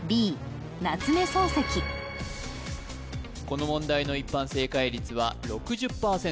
この問題の一般正解率は６０％